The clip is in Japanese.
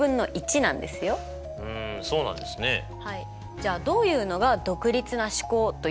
じゃあどういうのが「独立な試行」と言うのか